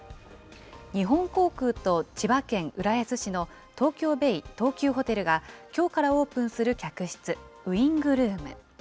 日本航空と千葉県浦安市の東京ベイ東急ホテルがきょうからオープンする客室、ウイングルーム。